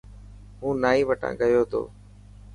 هون نائي وٽا گي تو.